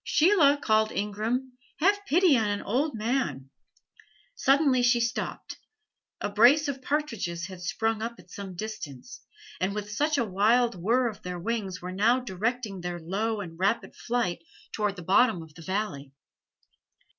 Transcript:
"Sheila," called Ingram, "have pity on an old man!" Suddenly she stopped. A brace of partridges had sprung up at some distance, and with a wild whirr of their wings were now directing their low and rapid flight toward the bottom of the valley.